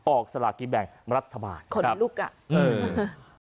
ออกสลากิ๊บแบงค์รัฐบาลคนลุกอ่ะเออ